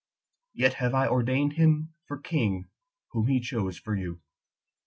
yet have I ordained him for king whom he chose for you.